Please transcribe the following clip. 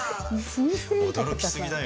驚きすぎだよ。